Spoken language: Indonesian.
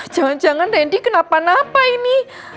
jangan jangan randy kenapa napa ini